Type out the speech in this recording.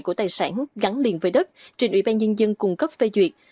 của tài sản gắn liền với đất trên ủy ban nhân dân cung cấp phê duyệt